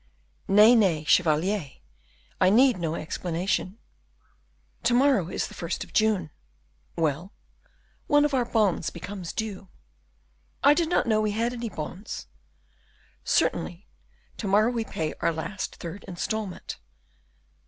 "Nay, nay, chevalier, I need no explanation." "To morrow is the first of June." "Well?" "One of our bonds becomes due." "I did not know we had any bonds." "Certainly, to morrow we pay our last third instalment."